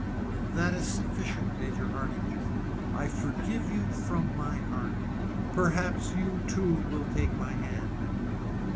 "That is sufficient, Major Hardinge. I forgive you from my heart. Perhaps you too will take my hand."